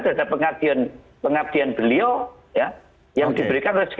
dari pengabdian beliau